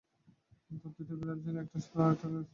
তার দুইটা বিড়াল আছে, একটা সাধারণ আরেকটা ছোট লেজওয়ালা।